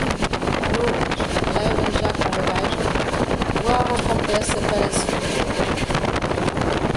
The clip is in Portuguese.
Nuvens, leves já com bagagem, voavam com pressa para se perder.